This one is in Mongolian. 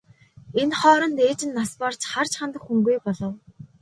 Энэ хооронд ээж нь нас барж харж хандах хүнгүй болов.